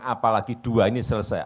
apalagi dua ini selesai